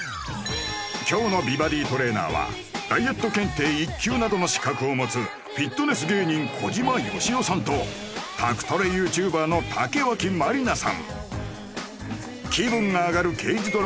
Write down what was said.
今日の美バディトレーナーはダイエット検定１級などの資格を持つフィットネス芸人小島よしおさんと宅トレＹｏｕＴｕｂｅｒの竹脇まりなさん